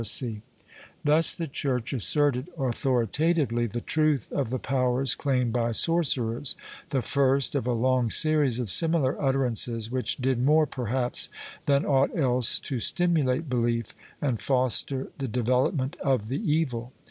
182 SOBGERY AND OCCULT ARTS [Book VIII Thus the Church asserted authoritatively the truth of the powers claimed by sorcerers — the first of a long series of similar utterances which did more, perhaps, than aught else to stimulate belief and foster the development of the evil.